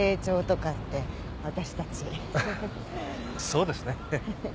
そうですね。